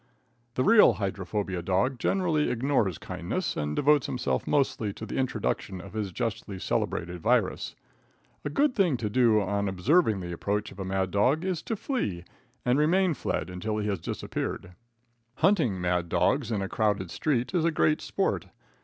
The real hydrophobia dog generally ignores kindness, and devotes himself mostly to the introduction of his justly celebrated virus. A good thing to do on observing the approach of a mad dog is to flee, and remain fled until he has disappeared. Hunting mad dogs in a crowded street is great sport.